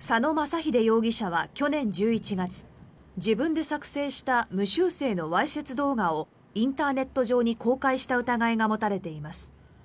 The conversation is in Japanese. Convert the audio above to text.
佐野公英容疑者は去年１１月自分で作成した無修正のわいせつ動画をインターネット上に公開した疑いが持たれています。